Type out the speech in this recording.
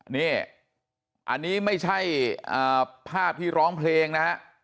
นี่อันนี้ไม่ใช่ภาพที่ร้องเพลงนะฮะ